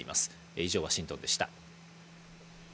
以上、ワシントンでした。